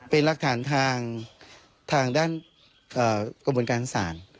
เป็นรักทางทางด้านกระบวนการตรงสาร